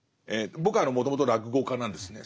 僕はもともと落語家なんですね。